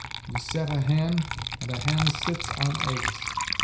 We set a hen, and a hen sits on eggs.